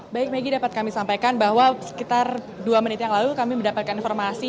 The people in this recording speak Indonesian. baik maggie dapat kami sampaikan bahwa sekitar dua menit yang lalu kami mendapatkan informasi